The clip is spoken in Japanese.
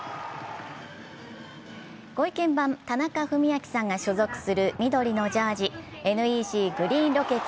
ご意見番・田中史朗さんが所属する緑のジャージ、ＮＥＣグリーンロケッツ